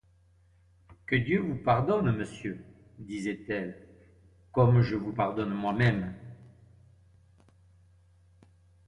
Que Dieu vous pardonne, monsieur, disait-elle, comme je vous pardonne moi-même.